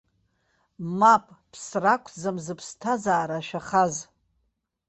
Мап, ԥсра ақәӡам зыԥсҭазаара ашәахаз!